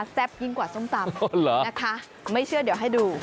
ยิ่งกว่าส้มตำนะคะไม่เชื่อเดี๋ยวให้ดู